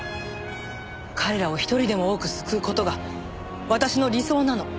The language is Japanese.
彼らを一人でも多く救う事が私の理想なの。